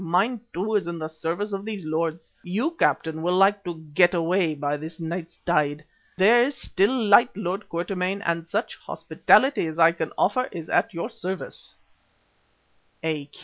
Mine too is at the service of these lords. You, Captain, will like to get away by this night's tide. There is still light, Lord Quatermain, and such hospitality as I can offer is at your service." A.